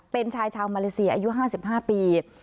เป็นชายชาวมาเลเซียอายุ๕๕ปี